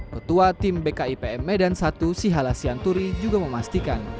ketua tim bki pm medan i sihala sianturi juga memastikan